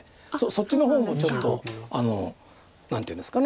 そっちの方もちょっと何ていうんですか。